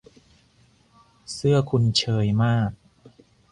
เสื้อคุณเชยมาก